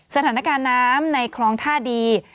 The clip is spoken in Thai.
สถานการณ์น้ำในคลองท่าดี